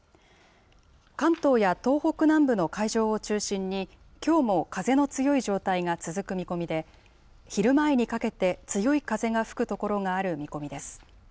関東や東北南部の海上を中心に、きょうも風の強い状態が続く見込みで、昼前にかけて強い風が吹く所がある見込みです。